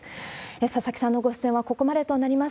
佐々木さんのご出演はここまでとなります。